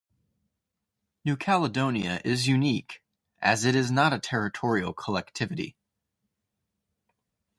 New Caledonia is unique as it is not a territorial collectivity.